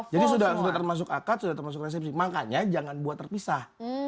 jadi sudah termasuk akad sudah termasuk resepsi makanya jangan buat terpisah